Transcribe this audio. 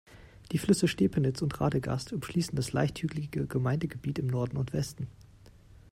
Die Flüsse Stepenitz und Radegast umschließen das leicht hügelige Gemeindegebiet im Norden und Westen.